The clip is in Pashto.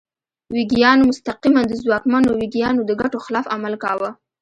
ویګیانو مستقیماً د ځواکمنو ویګیانو د ګټو خلاف عمل کاوه.